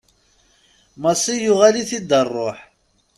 Massi yuɣal-it-id rruḥ.